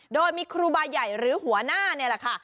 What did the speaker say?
โดยมีครูบาใหญ่หรือหัวหน้านี่แหละค่ะ